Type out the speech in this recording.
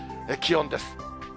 気温です。